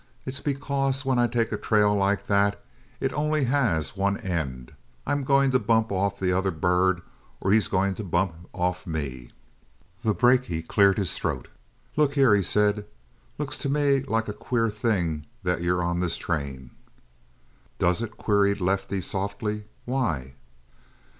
It's because when I take a trail like that it only has one end I'm going to bump off the other bird or he's going to bump off me" The brakie cleared his throat "Look here," he said, "looks to me like a queer thing that you're on this train" "Does it" queried Lefty softly "Why?"